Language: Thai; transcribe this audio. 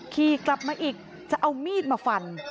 ขี่กลับมาอีกจะเอามีดมาฟัน